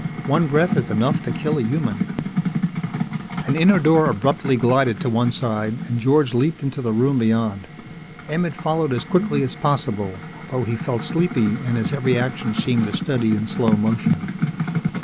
One breath is enough to kill a human " An inner door abruptly glided to one side and George leaped into the room beyond. Emmett followed as quickly as possible, although he felt sleepy and his every action seemed a study in slow motion.